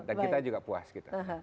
dan kita juga puas gitu